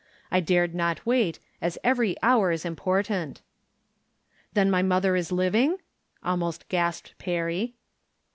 I dared not wait, as every hour is important." "Then my mother is living?" almost gasped Perry.